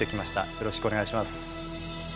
よろしくお願いします。